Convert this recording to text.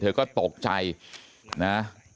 เธอก็ตกใจนะ